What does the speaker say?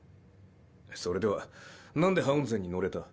それではなんでハウンゼンに乗れた？